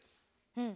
うん。